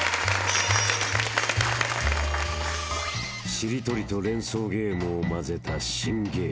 ［しりとりと連想ゲームを混ぜた新ゲーム］